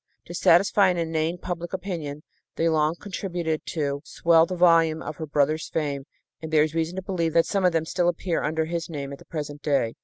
To satisfy an inane public opinion, they long contributed "to swell the volume of her brother's fame," and there is reason to believe that some of them still appear under his name at the present day.